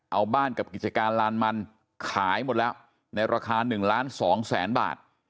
เอาบ้านกับกิจการลานมันขายหมดแล้วในราคา๑ล้าน๒แสนบาท